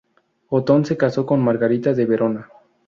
Otón se casó con Margarita de Verona.